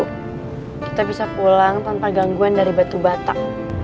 kita bisa pulang tanpa gangguan dari batu batak